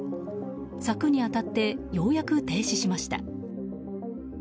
柵に当たってようやく停止しました。